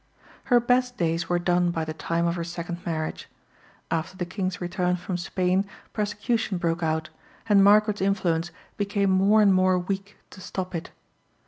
Her best days were done by the time of her second marriage. After the King's return from Spain persecution broke out, and Margaret's influence became more and more weak to stop it.